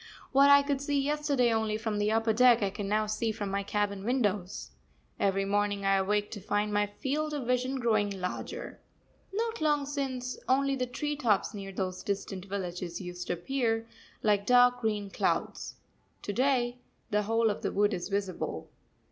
What I could see yesterday only from the upper deck, I can now see from my cabin windows. Every morning I awake to find my field of vision growing larger. Not long since, only the tree tops near those distant villages used to appear, like dark green clouds. To day the whole of the wood is visible.